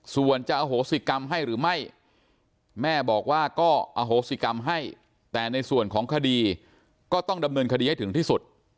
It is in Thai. ส่วนจะอโหสิกรรมให้หรือไม่แม่บอกว่าก็อโหสิกรรมให้แต่ในส่วนของคดีก็ต้องดำเนินคดีให้ถึงที่สุด